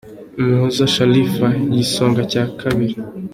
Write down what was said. Umuhoza Sharifa : Igisonga cya Kane